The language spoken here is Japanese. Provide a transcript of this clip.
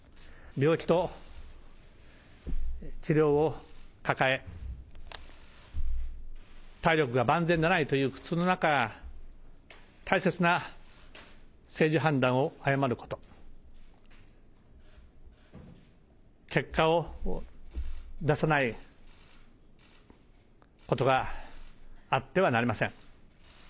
病気と治療を抱え、体力が万全でないという中、大切な政治判断を誤ること、結果を出さないことがあってはなりません。